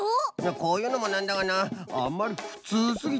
こういうのもなんだがなあまりにふつうすぎて。